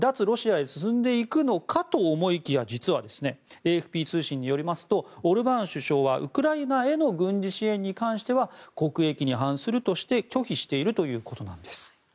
ロシアへ進んでいくのかと思いきや実はＡＦＰ通信によりますとオルバーン首相はウクライナへの軍事支援に関しては国益に反するとして拒否しているということなんです。